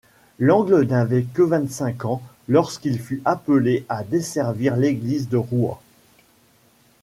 Langle n’avait que vingt-cinq ans lorsqu’il fut appelé à desservir l’église de Rouen.